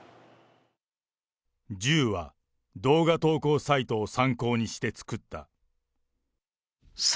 銃は動画投稿サイトを参考にして作った。